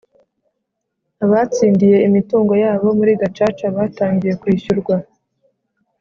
Abatsindiye imitungo yabo muri gacaca batangiye kwishyurwa